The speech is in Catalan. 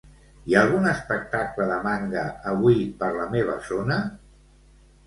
Hi ha algun espectacle de manga avui per la meva zona?